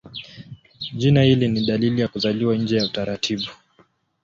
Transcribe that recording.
Jina hili ni dalili ya kuzaliwa nje ya utaratibu.